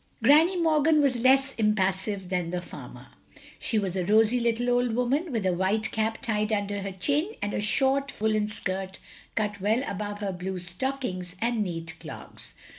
Granny Morgan was less impassive than the farmer. She was a rosy, little old woman, with a white cap tied under her chin, and a short, full woollen skirt cut well above her blue stockings and neat clogs.